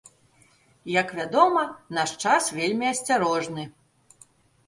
Як вядома, наш час вельмі асцярожны.